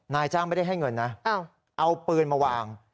นายจ้างไม่ได้ให้เงินนะเอาปืนมาวาง